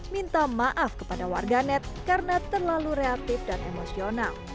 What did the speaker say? minta maaf kepada warganet karena terlalu reaktif dan emosional